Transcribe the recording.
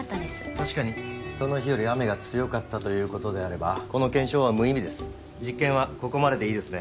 確かにその日より雨が強かったということであればこの検証は無意味です実験はここまででいいですね？